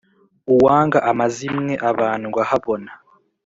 Uwanga amazimwe abandwa habona.